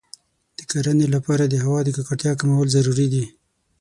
د کرنې لپاره د هوا د ککړتیا کمول ضروري دی.